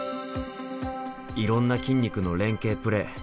いろんな筋肉の連係プレー。